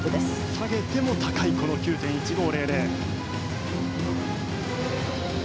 下げても高い９．１５００。